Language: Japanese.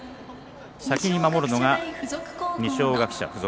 先に守るのが二松学舎大付属。